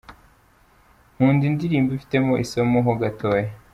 Nkunda indirimbo ifitemo isomo ho gatoya.